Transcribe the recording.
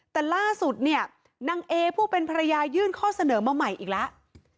แต่ล่าสุดเนี่ยนางเอผู้เป็นภรรยายื่นข้อเสนอมาใหม่อีกแล้ว